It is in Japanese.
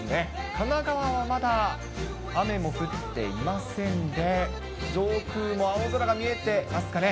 神奈川はまだ雨も降っていませんで、上空も青空が見えてますかね。